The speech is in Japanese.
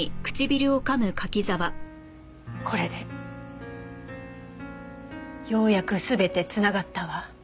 これでようやく全てつながったわ。